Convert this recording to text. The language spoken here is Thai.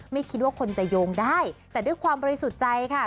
ไม่คิดว่าคนจะโยงได้แต่ด้วยความบริสุทธิ์ใจค่ะ